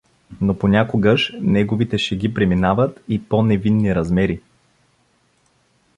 Но понякогаш неговите шеги принимават и по-невинни размери.